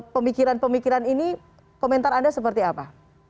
pemikiran pemikiran ini komentar anda seperti apa